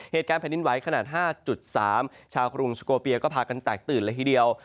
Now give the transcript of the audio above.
เหตุการณ์แผ่นดินไหวขนาด๕๓ชาวกรุงสโกเปียก็พากันแตกตื่นเลยทีเดียว